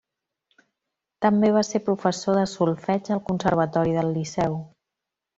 També va ser professor de solfeig al conservatori del Liceu.